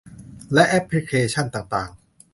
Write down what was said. และแอปพลิเคชันต่างต่าง